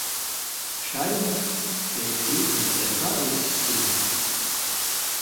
Ŝajnas, ke li ne preparis sin